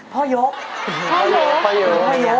พ่อยกพ่อยก